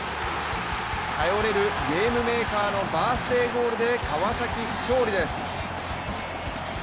頼れるゲームメーカーのバースデーゴールで川崎、勝利です。